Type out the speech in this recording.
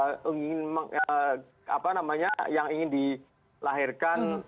yang ingin dilahirkan